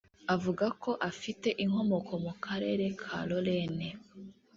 avuga ko afite inkomoko mu Karere ka Lorraine